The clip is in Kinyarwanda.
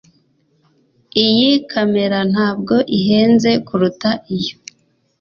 iyi kamera ntabwo ihenze kuruta iyo